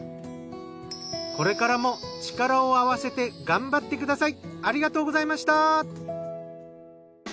これからも力を合わせて頑張ってください。